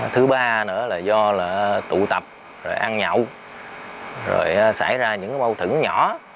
thứ ba nữa là do là tụ tập rồi ăn nhậu rồi xảy ra những bâu thử nhỏ